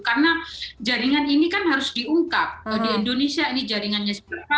karena jaringan ini kan harus diungkap di indonesia ini jaringannya seperti apa